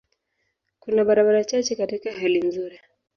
Kuna barabara chache katika hali nzuri.